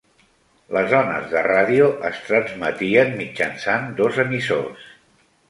Les ones de ràdio es transmetien mitjançant dos emissors.